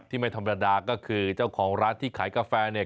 ไม่ธรรมดาก็คือเจ้าของร้านที่ขายกาแฟเนี่ย